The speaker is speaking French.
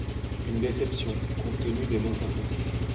Une déception, compte tenu des noms impliqués.